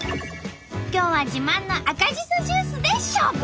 今日は自慢の赤じそジュースで勝負！